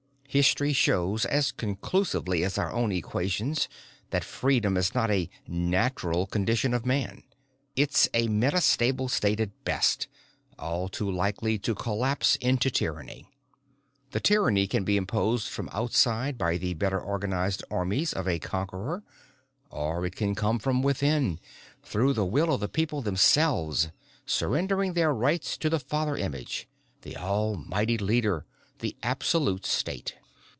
History shows as conclusively as our own equations that freedom is not a 'natural' condition of man. It's a metastable state at best, all too likely to collapse into tyranny. The tyranny can be imposed from outside by the better organized armies of a conqueror, or it can come from within through the will of the people themselves, surrendering their rights to the father image, the almighty leader, the absolute state.